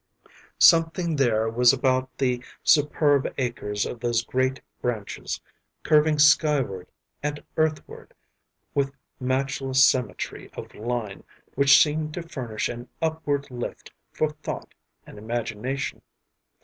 Something there was about the superb acres of those great branches curving skyward and earthward with matchless symmetry of line which seemed to furnish an upward lift for thought and imagination.